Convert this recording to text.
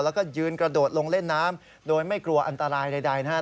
แล้วก็ยืนกระโดดลงเล่นน้ำโดยไม่กลัวอันตรายใดนะครับ